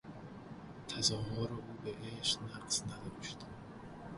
تظاهر او به عشق نقص نداشت.